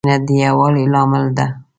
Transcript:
مینه د یووالي لامل ده.